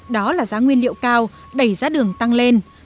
đó là giá nguyên liệu cao đẩy giá đường tăng lên